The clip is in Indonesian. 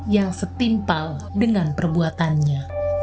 yang setimpal dengan perbuatannya